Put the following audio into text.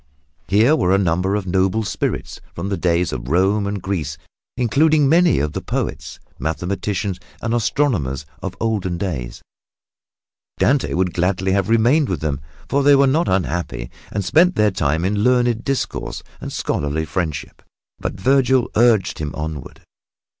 Here were a number of noble spirits from the days of Rome and Greece, including many of the poets, mathematicians and astronomers of olden days. Dante would gladly have remained with them, for they were not unhappy and spent their time in learned discourse and scholarly friendship, but Vergil urged him onward.